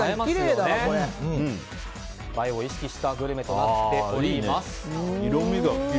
映えを意識したグルメとなっております。